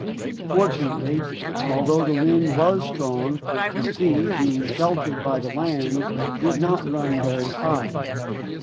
Fortunately, although the wind was strong the sea, being sheltered by the land, did not run very high.